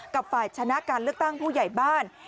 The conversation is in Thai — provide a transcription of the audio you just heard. กับฝ่ายชนะการเลือกตั้งผู้ใหญ่บ้าน